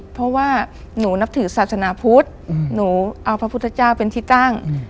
เพราะว่าหนูนับถือศาสนาพุทธหนูเอาพระพุทธเจ้าเป็นที่ตั้ง